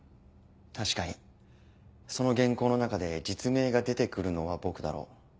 確かにその原稿の中で実名が出て来るのは僕だろう。